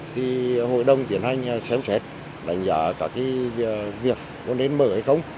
thì hội đồng tiến hành xem xét đánh giá các cái việc có nên mở hay không